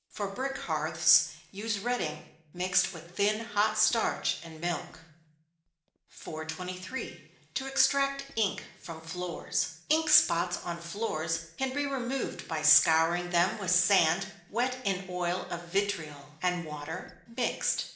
For brick hearths, use redding, mixed with thin hot starch and milk. 423. To extract Ink from Floors. Ink spots on floors can be removed by scouring them with sand wet in oil of vitriol, and water, mixed.